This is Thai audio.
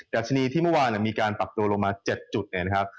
ชนีที่เมื่อวานมีการปรับตัวลงมา๗จุดเนี่ยนะครับ